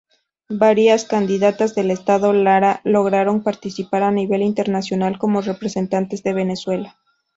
Varias candidatas del estado Lara lograron participar a nivel internacional como representantes de Venezuela.